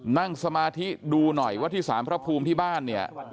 นั่งสมาธิดูหน่อยว่าที่สารพระภูมิที่บ้านเนี่ย